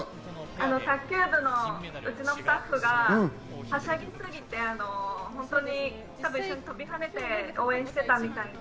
卓球部のうちのスタッフがはしゃぎすぎて、多分、一緒に飛び跳ねて応援していたみたいなんで。